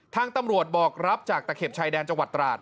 ทางตำรวจบอกรับจากตะเข็บชายแดนจังหวัดตราด